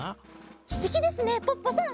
すてきですねポッポさん！